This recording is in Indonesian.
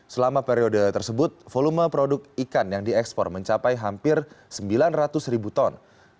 selama periode tersebut volume produk ikan yang diekspor mencapai hampir sembilan ratus ribu ton